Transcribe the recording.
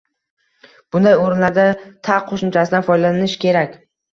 Bunday oʻrinlarda -ta qoʻshimchasidan foydalanish kerak